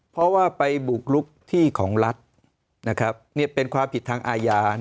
เพราะว่าไปบุกลุกที่ของรัฐเป็นความผิดทางอาญา